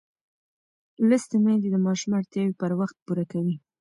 لوستې میندې د ماشوم اړتیاوې پر وخت پوره کوي.